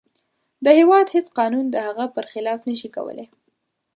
د هیواد هیڅ قانون د هغه پر خلاف نشي کولی.